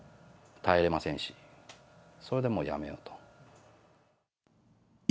耐えられませんし、それで、もうやめようと。